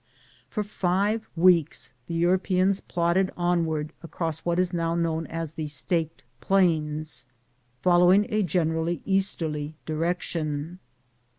For five weeks the Europeans plodded onward across what is now known as the " Staked Plains," following a generally easterly direc tion.